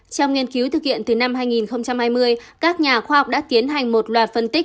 trong nghiên cứu thực hiện từ năm hai nghìn hai mươi các nhà khoa học đã tiến hành một loạt phân tích